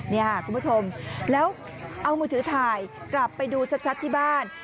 นี่ค่ะคุณผู้ชมแล้วเอามือถือถ่ายกลับไปดูชัดที่บ้าน